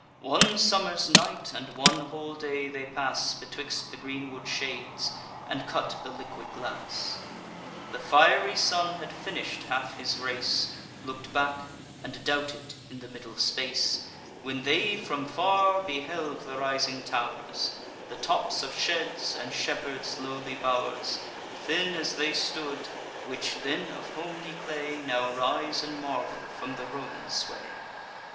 One summer's night and one whole day they pass Betwixt the greenwood shades, and cut the liquid glass. The fiery sun had finish'd half his race, Look'd back, and doubted in the middle space, When they from far beheld the rising tow'rs, The tops of sheds, and shepherds' lowly bow'rs, Thin as they stood, which, then of homely clay, Now rise in marble, from the Roman sway.